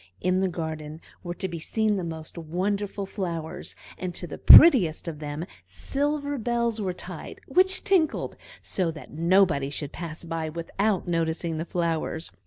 In the garden were to be seen the most wonderful flowers, and to the prettiest of them silver bells were tied, which tinkled, so that nobody should pass by without noticing the flowers.